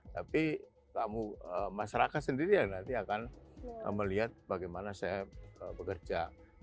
tapi masyarakat sendiri yang nanti akan melihat bagaimana saya bekerja